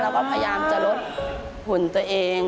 เราก็พยายามจะลดหุ่นตัวเอง